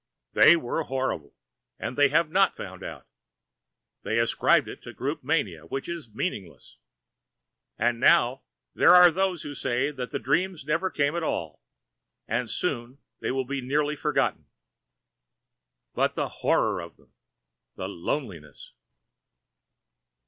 "They were horrible, and they have not found out. They ascribe it to group mania, which is meaningless. And now there are those who say that the dreams never came at all, and soon they will be nearly forgotten. But the horror of them! The loneliness!"